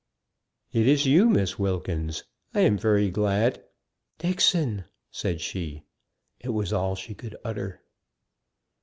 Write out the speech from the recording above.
"It is you, Miss Wilkins! I am very glad " "Dixon!" said she. It was all she could utter.